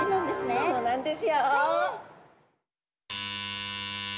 そうなんですよ。